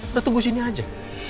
udah tunggu sini aja